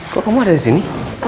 kok kamu ada disini